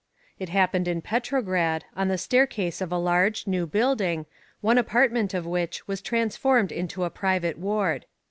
It happened in Petrograd, on the staircase of a large, new building, one apartment of which was transformed into a private ward.